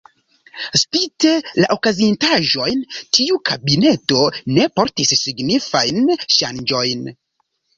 Spite la okazintaĵojn, tiu kabineto ne portis signifajn ŝanĝojn.